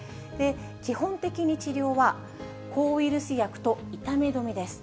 基本的に治療は、抗ウイルス薬と痛み止めです。